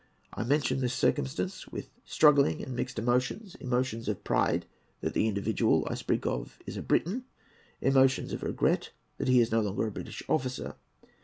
I mention this circumstance with struggling and mingled emotions—emotions of pride that the individual I speak of is a Briton, emotions of regret that he is no longer a British officer.